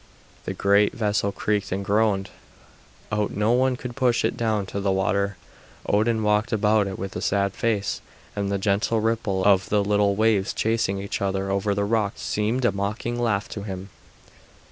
The great vessel creaked and groaned, but no one could push it down to the water. Odin walked about it with a sad face, and the gentle ripple of the little waves chasing each other over the rocks seemed a mocking laugh to him.